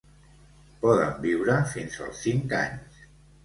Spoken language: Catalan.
Poden viure fins als cinc anys.